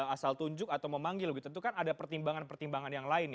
asal tunjuk atau memanggil tentu kan ada pertimbangan pertimbangan yang lain